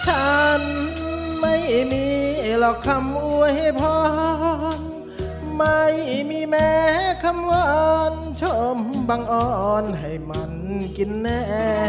ฉันไม่มีหรอกคำอวยพรไม่มีแม้คำหวานชมบังอ่อนให้มันกินแน่